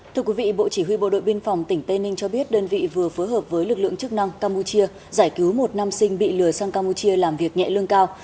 thưa quý vị bộ chỉ huy bộ đội biên phòng tỉnh tây ninh cho biết đơn vị vừa phối hợp với lực lượng chức năng campuchia giải cứu một nam sinh bị lừa sang campuchia làm việc nhẹ lương cao